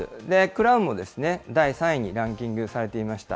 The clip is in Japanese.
クラウンも第３位にランキングされていました。